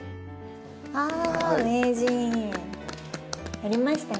やりましたね。